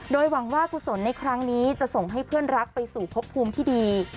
โดยหวังว่ากุศลในครั้งนี้จะส่งให้เพื่อนรักไปสู่พบภูมิที่ดี